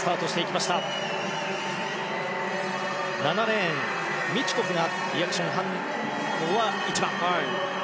７レーンのミチュコフがリアクション反応は一番。